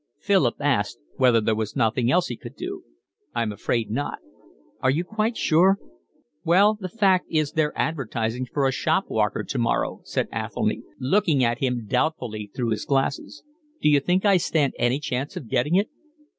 Philip asked whether there was nothing else he could do. "I'm afraid not." "Are you quite sure?" "Well, the fact is they're advertising for a shop walker tomorrow," said Athelny, looking at him doubtfully through his glasses. "D'you think I stand any chance of getting it?"